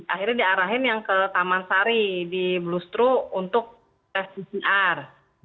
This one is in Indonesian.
akhirnya diarahin yang ke taman sari di bluestro untuk tes pcr